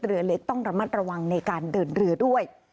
เรือเล็กต้องระมัดระวังในการเดินเรือด้วย